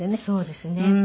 そうですね。